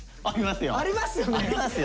ありますよね！